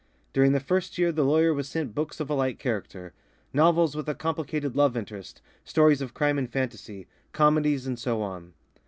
During the first year the lawyer was sent books of a light character; novels with a complicated love interest, stories of crime and fantasy, comedies, and so on.